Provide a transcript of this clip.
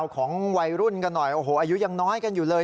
ของวัยรุ่นกันหน่อยโอ้โหอายุยังน้อยกันอยู่เลย